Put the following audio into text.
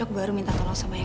terus lila lila dimana